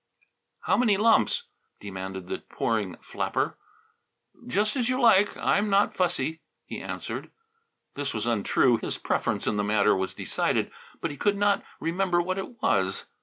"How many lumps?" demanded the pouring flapper. "Just as you like; I'm not fussy," he answered. This was untrue. His preference in the matter was decided, but he could not remember what it was.